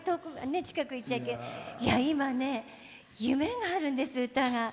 今ね、夢があるんです、歌が。